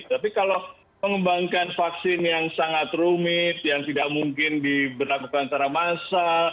tapi kalau mengembangkan vaksin yang sangat rumit yang tidak mungkin diberlakukan secara massal